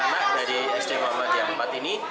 anak dari sd muhammadiyah empat ini